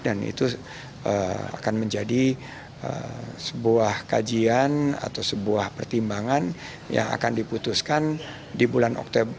dan itu akan menjadi sebuah kajian atau sebuah pertimbangan yang akan diputuskan di bulan oktober